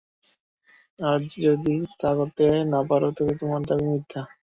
আর যদি তা করতে না পার তবে তোমার দাবি মিথ্যা।